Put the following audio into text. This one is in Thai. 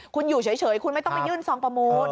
คุณอยู่เฉยคุณไม่ต้องไปยื่นซองประมูล